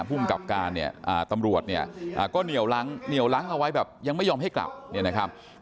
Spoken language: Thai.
ภูมิกับการเนี่ยตำรวจเนี่ยก็เหนียวล้างเอาไว้แบบยังไม่ยอมให้กลับเนี่ยนะครับ